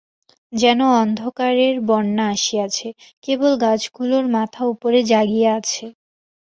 যেন অন্ধকারের বন্যা আসিয়াছে, কেবল গাছগুলোর মাথা উপরে জাগিয়া আছে।